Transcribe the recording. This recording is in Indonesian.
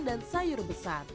dan sayur besar